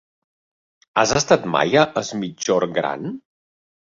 Has estat mai a Es Migjorn Gran?